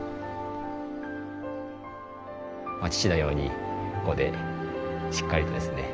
父のようにここでしっかりとですね